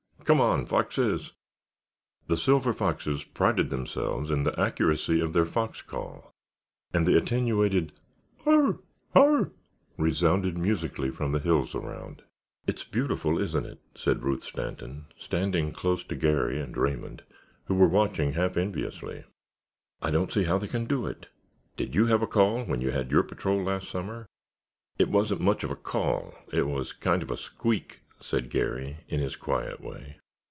Come on, Foxes!" The Silver Foxes prided themselves on the accuracy of their fox call, and the attenuated "Haa haa" resounded musically from the hills around. "It's beautiful, isn't it," said Ruth Stanton, standing close to Garry and Raymond, who were watching half enviously. "I don't see how they can do it. Did you have a call when you had your patrol last summer?" "It wasn't much of a call, it was kind of a squeak," said Garry in his quiet way.